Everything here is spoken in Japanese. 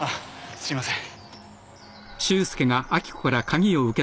すいません。